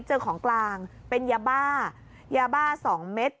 เจอของกลางเป็นยาบ้า๒เมตร